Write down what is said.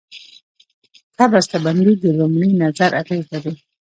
ښه بسته بندي د لومړي نظر اغېز لري.